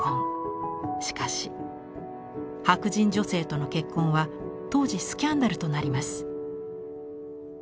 しかし白人女性との結婚は当時スキャンダルとなります。